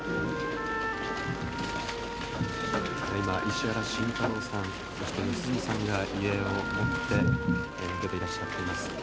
今石原慎太郎さんそして良純さんが遺影を持って出ていらっしゃっています。